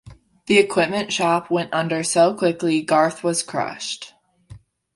The Equipment Shoppe went under so quickly Garth was crushed.